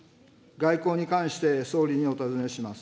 外交に関して総理にお尋ねします。